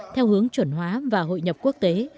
theo hướng chuẩn hóa và hội nhập quốc tế